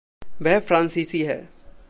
वह फ़्रानसीसी है।